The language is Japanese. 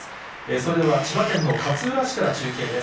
それでは千葉県の勝浦市から中継です。